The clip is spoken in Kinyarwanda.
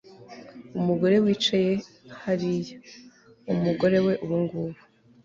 Umugore wicaye hariya umugore we ubungubu